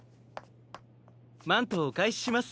マントをおかえしします。